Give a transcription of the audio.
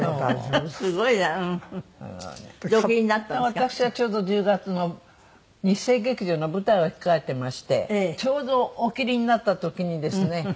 私はちょうど１０月の日生劇場の舞台を控えてましてちょうどお切りになった時にですね